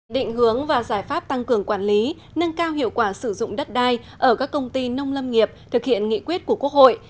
định hướng và giải pháp tăng cường quản lý nâng cao hiệu quả sử dụng đất đai ở các công ty nông lâm nghiệp thực hiện nghị quyết của quốc hội